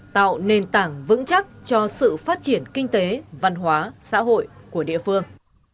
tạo nền tảng vững chắc cho sự phát triển kinh tế văn hóa xã hội của địa phương